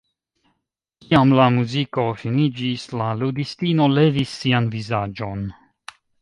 Kiam la muziko finiĝis, la ludistino levis sian vizaĝon.